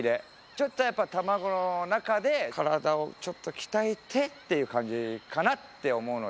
ちょっとやっぱ卵の中で体をちょっと鍛えてっていう感じかなって思うので。